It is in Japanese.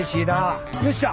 よっしゃ！